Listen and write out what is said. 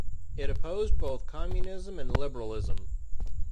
It opposed both communism and liberalism.